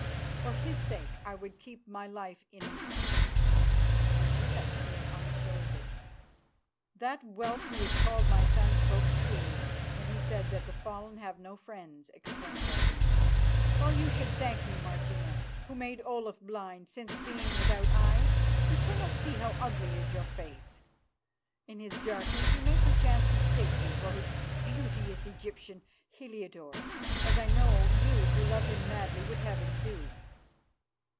For his sake I would keep my life in me," and she touched me on the shoulder. "That whelp who is called my son spoke truly when he said that the fallen have no friends," exclaimed Irene. "Well, you should thank me, Martina, who made Olaf blind, since, being without eyes, he cannot see how ugly is your face. In his darkness he may perchance mistake you for the beauteous Egyptian, Heliodore, as I know you who love him madly would have him do."